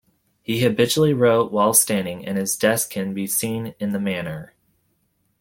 He habitually wrote while standing, and his desk can be seen in the manor.